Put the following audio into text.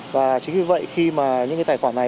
và chính vì vậy khi mà những cái tài khoản này